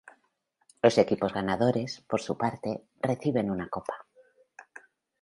Los equipos ganadores, por su parte, reciben una copa.